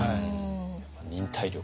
忍耐力。